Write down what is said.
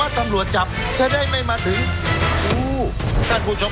โดยโดยโดย